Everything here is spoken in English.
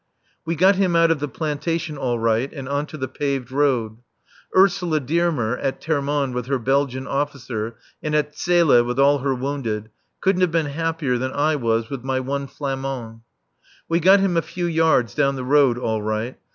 We got him out of the plantation all right and on to the paved road. Ursula Dearmer at Termonde with her Belgian officer, and at Zele with all her wounded, couldn't have been happier than I was with my one Flamand. We got him a few yards down the road all right.